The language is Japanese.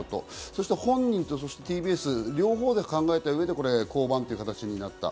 そして本人とＴＢＳ、両方で考えた上で降板という形になった。